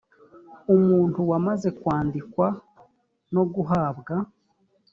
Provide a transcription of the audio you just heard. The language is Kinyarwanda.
umuntu wamaze kwandikwa no guhabwa